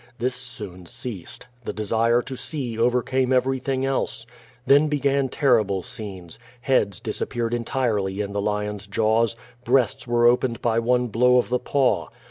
This soon ceased. The desire to see overcame everything else. Then began terrible scenes. Heads disappeared entirely in the lions' jaws. Breasts were opened by one blow of the paw.